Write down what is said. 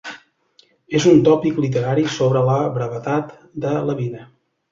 És un tòpic literari sobre la brevetat de la vida.